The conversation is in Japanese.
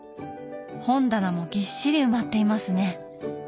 本棚もぎっしり埋まっていますね。